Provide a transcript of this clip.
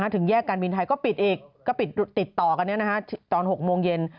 ถึงแปลงการบินไทยก็ปิดติดต่อกันเวลา๖โมงเย็น